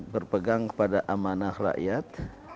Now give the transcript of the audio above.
berpegang pada amanah rakyat